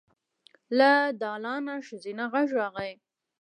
له دالانه ښځينه غږ راغی.